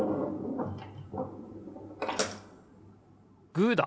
グーだ！